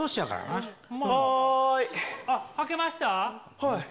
はい？